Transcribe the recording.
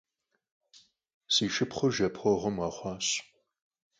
Si şşıpxhur jjepueğuem khexhuaş.